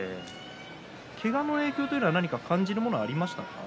けがの影響は何か感じるものはありましたか？